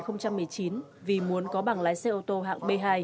năm hai nghìn một mươi chín vì muốn có bằng lái xe ô tô hạng b hai